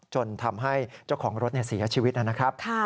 จนทำให้เจ้าของรถเสียชีวิตนะครับ